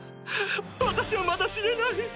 私はまだ死ねない！